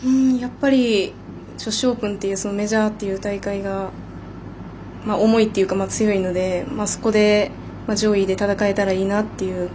女子オープンというメジャーという大会が思いというのが強いのでそこで上位で戦えたらいいなっていうか。